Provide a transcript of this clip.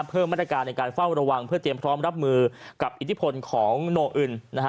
เพิ่มมาตรการในการเฝ้าระวังเพื่อเตรียมพร้อมรับมือกับอิทธิพลของโนอึน